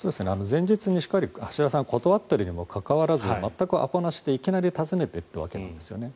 前日にしっかり橋田さんが断っているにもかかわらず全くアポなしでいきなり訪ねていったわけなんですね。